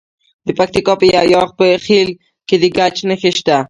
د پکتیکا په یحیی خیل کې د ګچ نښې شته.